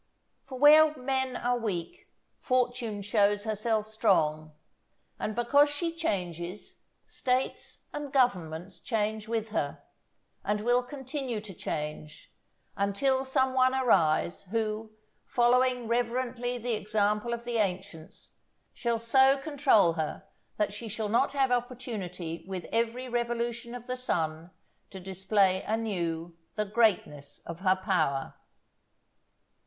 For where men are weak, Fortune shows herself strong; and because she changes, States and Governments change with her; and will continue to change, until some one arise, who, following reverently the example of the ancients, shall so control her, that she shall not have opportunity with every revolution of the sun to display anew the greatness of her power.